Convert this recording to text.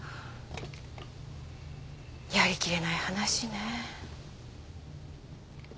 やり切れない話ね。